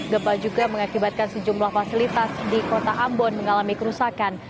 gempa juga mengakibatkan sejumlah fasilitas di kota ambon mengalami kerusakan